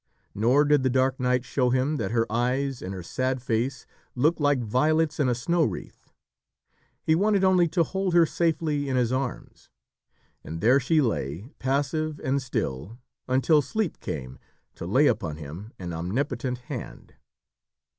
Nor did the dark night show him that her eyes in her sad face looked like violets in a snow wreath. He wanted only to hold her safely in his arms, and there she lay, passive and still, until sleep came to lay upon him an omnipotent hand.